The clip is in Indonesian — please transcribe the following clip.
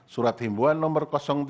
surat imbuan nomor tiga belas